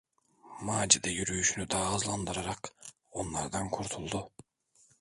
Macide yürüyüşünü daha hızlandırarak onlardan kurtuldu.